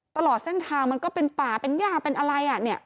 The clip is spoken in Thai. ตลอดเส้นทางมันก็เป็นป่าเป็นย่าเป็นอะไรอ่ะเนี่ย